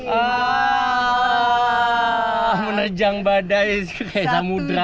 wah menenjang badai kayak samudra